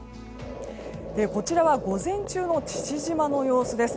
こちらは午前中の父島の様子です。